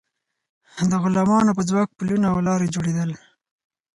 د غلامانو په ځواک پلونه او لارې جوړیدل.